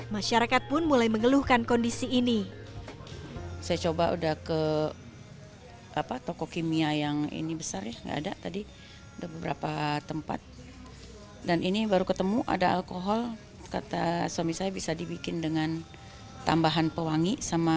masyarakat pun mulai mengeluhkan kondisi ini